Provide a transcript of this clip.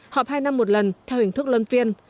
họp hai năm một lần theo hình thức lân phiên